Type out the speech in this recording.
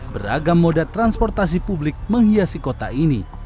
beragam moda transportasi publik menghiasi kota ini